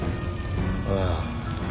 ああ。